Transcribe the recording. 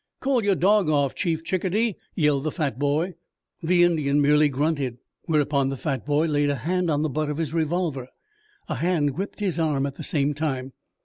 "Call your dog off, Chief Chickadee!" yelled the fat boy. The Indian merely grunted, whereupon the fat boy laid a hand on the butt of his revolver. A hand gripped his arm at the same time.